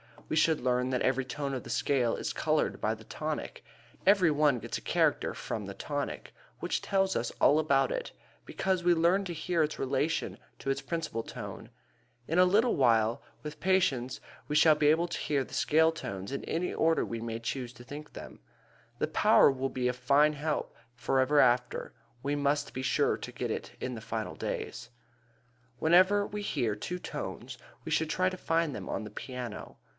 We should learn that every tone of the scale is colored by the tonic. Every one gets a character from the tonic which tells us all about it, because we learn to hear its relation to its principal tone. In a little while, with patience, we shall be able to hear the scale tones in any order we may choose to think them. That power will be a fine help forever after we must be sure to get it in the first days. Whenever we hear two tones we should try to find them on the piano.